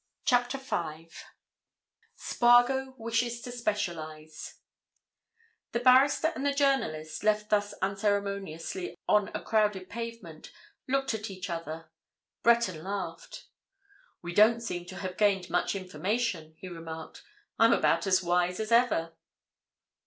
CHAPTER FIVE SPARGO WISHES TO SPECIALIZE The barrister and the journalist, left thus unceremoniously on a crowded pavement, looked at each other. Breton laughed. "We don't seem to have gained much information," he remarked. "I'm about as wise as ever."